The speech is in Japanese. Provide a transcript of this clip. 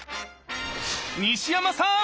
西山さん